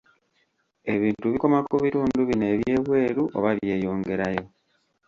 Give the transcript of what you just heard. Ebintu bikoma ku bitundu bino eby'ebweru oba byeyongerayo?